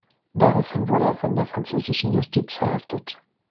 Daraufhin wurde er von der französischen Justiz verhaftet.